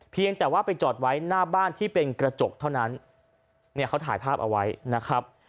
เพียงแต่ว่าไปจอดไว้หน้าบ้านที่เป็นกระจกเท่านั้นเนี่ยเขาถ่ายภาพเอาไว้นะครับ